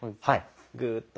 グーッと。